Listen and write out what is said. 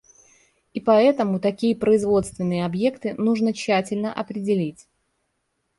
И поэтому такие производственные объекты нужно тщательно определить.